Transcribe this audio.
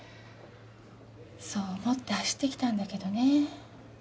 そう思って走ってきたんだけどね。